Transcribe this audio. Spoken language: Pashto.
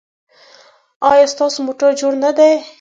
ایا ستاسو موټر جوړ نه دی؟